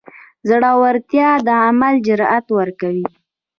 زړورتیا د عمل جرئت ورکوي.